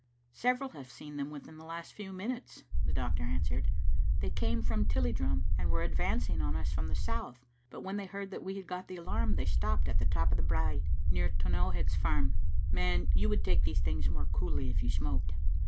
"Several have seen them within the last few min utes," the doctor answered. "They came from Tillie drum, and were advancing on us from the south, but when they heard that we had got the alarm they stopped at the top of the brae, near T'nowhead's farm. Man, you would take these things more coolly if you smoked."